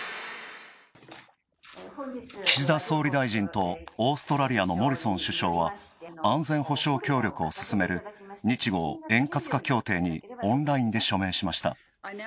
岸田総理大臣とオーストラリアのモリソン首相は安全保障協力を進める、日豪円滑化協定にオンラインで署名しました。